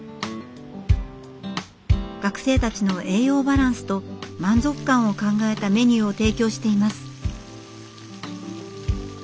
学生たちの栄養バランスと満足感を考えたメニューを提供しています。